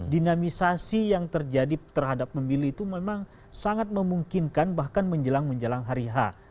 dinamisasi yang terjadi terhadap pemilih itu memang sangat memungkinkan bahkan menjelang menjelang hari h